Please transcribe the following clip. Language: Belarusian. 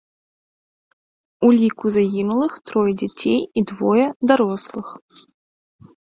У ліку загінулых трое дзяцей і двое дарослых.